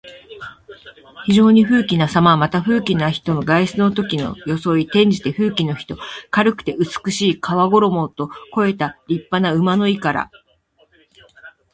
非常に富貴なさま。また、富貴な人の外出のときの装い。転じて、富貴の人。軽くて美しい皮ごろもと肥えた立派な馬の意から。「裘」は皮ごろものこと。「軽裘」は軽くて高価な皮ごろも。略して「軽肥」ともいう。また「肥馬軽裘」ともいう。